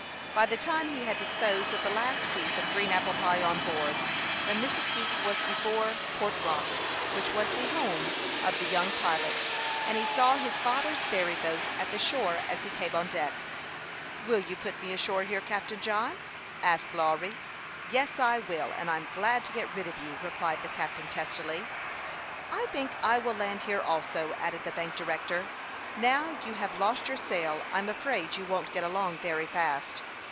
By the time he had disposed of the last piece of green apple pie on board, the Missisque was before Port Rock, which was the home THE YOUNG PILOT OF LAKE CHAMPLAIX. 23 of the young pilot, and he saw his father's ferry boat at the shore as he came on deck. "Will you put me ashore here, Captain John?" asked Lawry. " Yes, I will ; and I'm glad to get rid of you," replied the captain, testily. " I think I will land here, also,'' added the bank director. " Now you have lost your sail, I'm afraid you won't get along very fast."